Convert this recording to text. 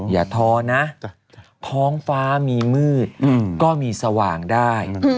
อย่าท้อนะท้องฟ้ามีมืดก็มีสว่างได้